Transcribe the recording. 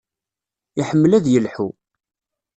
Iḥemmel ad yelḥu.